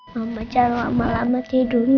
mama jangan lama lama tidurnya